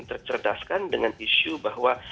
tercerdaskan dengan isu bahwa